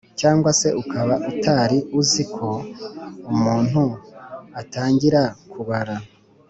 cyangwa se ukaba utari uziko umuntu atangira kubara